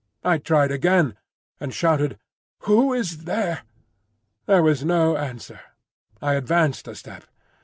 I tried again, and shouted, "Who is there?" There was no answer. I advanced a step.